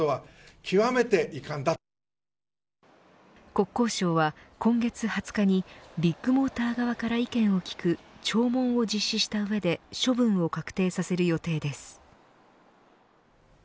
国交省は今月２０日にビッグモーター側から意見を聞く聴聞を実施した上で処分を確定させる予定です。